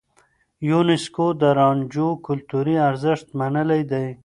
يونيسکو د رانجو کلتوري ارزښت منلی دی.